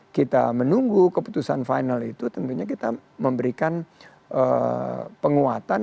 kita menunggu keputusan final itu tentunya kita memberikan penguatan